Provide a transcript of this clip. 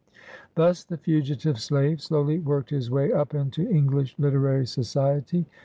90 BIOGRAPHY OF Thus the fugitive slave slowly worked his way up into English literary society.